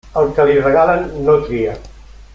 Al que li regalen, no tria.